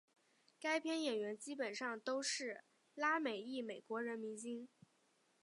该片演员基本上都是拉美裔美国人明星。